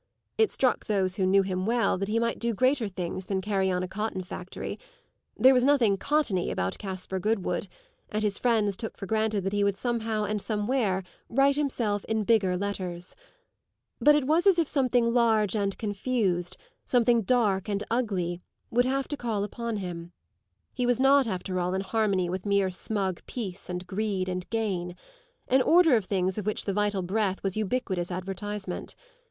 It struck those who knew him well that he might do greater things than carry on a cotton factory; there was nothing cottony about Caspar Goodwood, and his friends took for granted that he would somehow and somewhere write himself in bigger letters. But it was as if something large and confused, something dark and ugly, would have to call upon him: he was not after all in harmony with mere smug peace and greed and gain, an order of things of which the vital breath was ubiquitous advertisement.